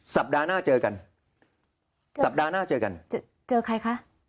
สัปดาห์หน้าเจอกันสัปดาห์หน้าเจอกันเจอเจอใครคะ